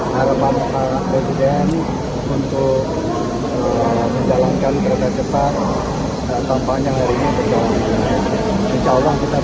harapan pak presiden untuk menjalankan berjalan cepat dan tampaknya hari ini berjalan dengan baik